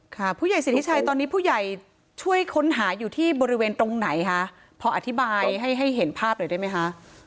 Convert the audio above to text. ผู้ใหญ่สิทธิชัยตอนนี้ผู้ใหญ่ช่วยค้นหาอยู่ที่บริเวณตรงไหนคะพออธิบายให้ให้เห็นภาพหน่อยได้ไหมคะ